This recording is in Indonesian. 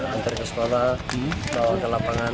antari ke sekolah atau ke lapangan